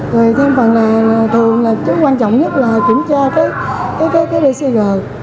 rồi thêm phần là thường là chứ quan trọng nhất là kiểm tra cái dcg